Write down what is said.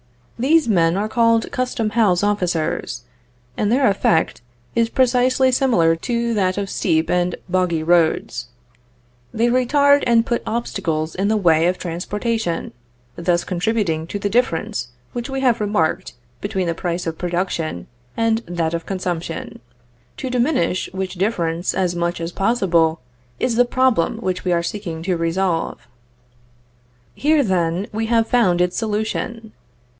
These men are called custom house officers, and their effect is precisely similar to that of steep and boggy roads. They retard and put obstacles in the way of transportation, thus contributing to the difference which we have remarked between the price of production and that of consumption; to diminish which difference as much as possible, is the problem which we are seeking to resolve. Here, then, we have found its solution.